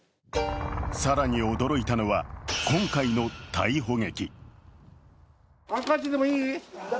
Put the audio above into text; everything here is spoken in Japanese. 更に驚いたのは、今回の逮捕劇。